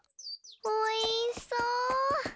おいしそう！